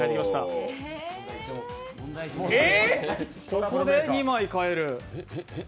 ここで２枚かえる。